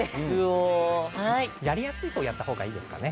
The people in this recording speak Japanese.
やりやすい方やった方がいいですかね。